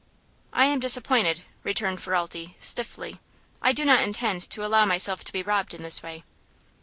"I am disappointed," returned Ferralti, stiffly. "I do not intend to allow myself to be robbed in this way."